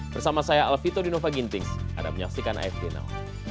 bersama saya alfito dinova gintings ada menyaksikan afd now